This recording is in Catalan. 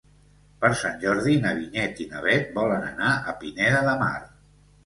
Per Sant Jordi na Vinyet i na Bet volen anar a Pineda de Mar.